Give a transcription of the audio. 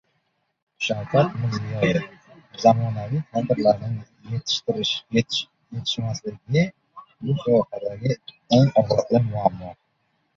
Shavkat Mirziyoyev: Zamonaviy kadrlarning yetishmasligi bu sohadagi eng og‘riqli muammo